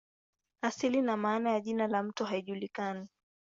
Asili na maana ya jina la mto haijulikani.